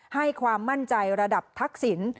ให้ความมั่นใจระดับทักษิณ